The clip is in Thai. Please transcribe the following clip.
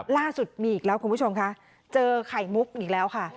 ล่าสุดมีอีกแล้วคุณผู้ชมค่ะเจอไข่มุกอีกแล้วค่ะ